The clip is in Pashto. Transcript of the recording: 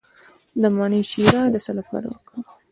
د مڼې شیره د څه لپاره وکاروم؟